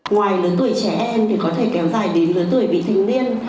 ngoài lớn tuổi trẻ em thì có thể kéo dài đến lớn tuổi bị sinh niên